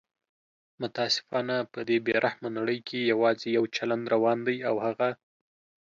متاسفانه په دې بې رحمه نړۍ کې یواځي یو چلند روان دی او هغه